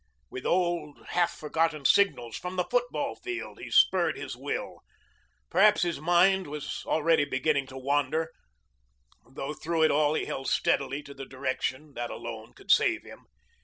With old, half forgotten signals from the football field he spurred his will. Perhaps his mind was already beginning to wander, though through it all he held steadily to the direction that alone could save him.